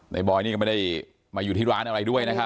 บอยนี่ก็ไม่ได้มาอยู่ที่ร้านอะไรด้วยนะครับ